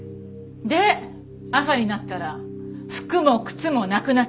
で朝になったら服も靴もなくなっていた。